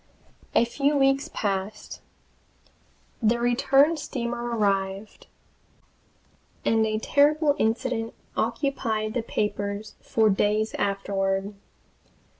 A few weeks passed. The return steamer arrived, and a terrible incident occupied the papers for days afterward.